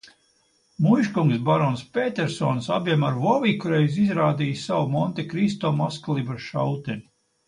Muižkungs barons Pētersons abiem ar Voviku reiz izrādīja savu Montekristo mazkalibra šauteni.